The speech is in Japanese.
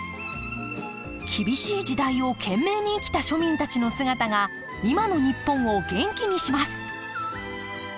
厳しい時代を懸命に生きた庶民たちの姿が今の日本を元気にします！